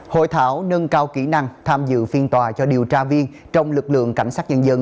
hội thảo nâng cao kỹ năng tham dự phiên tòa cho điều tra viên trong lực lượng cảnh sát nhân dân